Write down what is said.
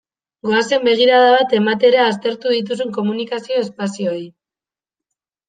Goazen begirada bat ematera aztertu dituzun komunikazio espazioei.